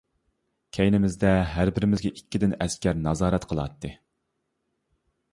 كەينىمىزدە ھەربىرىمىزگە ئىككىدىن ئەسكەر نازارەت قىلاتتى.